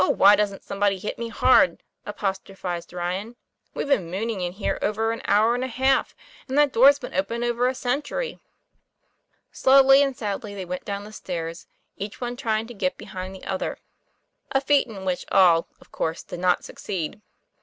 why doesn't somebody hit me hard?" apos trophized Ryan. "We've been mooning in here over an hour and a half, and that door's been open over a century." Slowly and sadly they went down the stairs, each one trying to get behind the other, a feat in which 192 TOM PLAYFAIR. all, of course, did not succeed.